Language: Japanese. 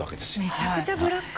めちゃくちゃブラック。